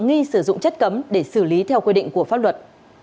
nghi sử dụng chất cấm để xử lý theo quy định của pháp luật